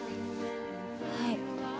はい。